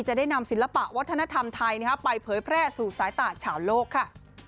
จะได้นำศิลปะวัฒนธรรมไทยไปเผยแพร่สู่สายตาชาวโลกค่ะ